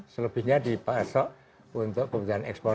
selebihnya dipasok untuk kebutuhan ekspor